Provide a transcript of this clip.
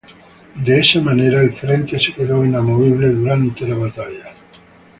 De esa manera el frente se quedó inamovible durante la batalla.